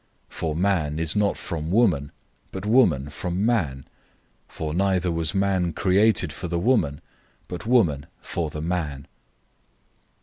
011:008 For man is not from woman, but woman from man; 011:009 for neither was man created for the woman, but woman for the man.